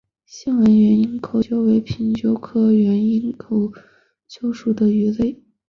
线纹原缨口鳅为平鳍鳅科原缨口鳅属的鱼类。